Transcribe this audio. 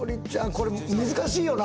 これ難しいよな？